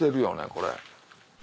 これ。